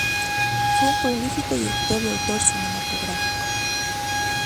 Fue un prolífico director y autor cinematográfico.